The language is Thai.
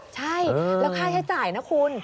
ใช่แล้วค่าใช้จ่ายนะคุณ